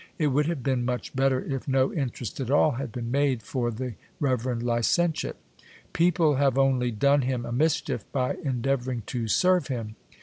It would have been much better if no interest at all had been made for the re verend licentiate. People have only done him a mischief by endeavouring to serve him.